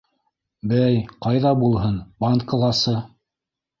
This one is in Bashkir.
— Бәй, ҡайҙа булһын, банкыласы.